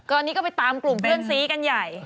ตอนนี้ก็ไปตามกลุ่มเพื่อนซีกันใหญ่